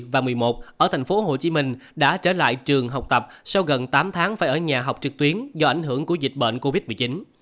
và một mươi một ở tp hcm đã trở lại trường học tập sau gần tám tháng phải ở nhà học trực tuyến do ảnh hưởng của dịch bệnh covid một mươi chín